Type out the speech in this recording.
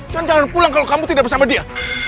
dan jangan pulang kalau kamu tidak bersama dia